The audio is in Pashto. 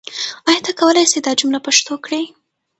آیا ته کولای سې دا جمله پښتو کړې؟